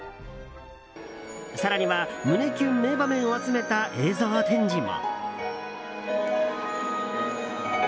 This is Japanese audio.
更には、胸キュン名場面を集めた映像展示も。